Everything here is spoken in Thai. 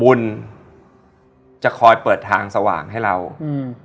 บุญจะคอยเปิดทางสว่างให้เราอืม